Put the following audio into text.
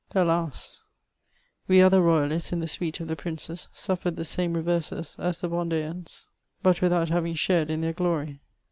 Ajas ! We other royalists in the suite of the princes, suffered the same reverses as the Vendeaus, but without having shared in ihssr glory.